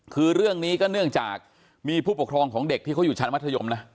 คือเรื่องนี้ก็เนื่องจากมีผู้ปกครองของเด็กที่เขาอยู่ชั้นมัธยมนะ